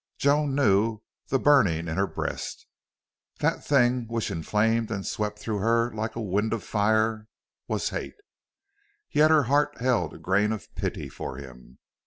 Joan knew the burning in her breast that thing which inflamed and swept through her like a wind of fire was hate. Yet her heart held a grain of pity for him.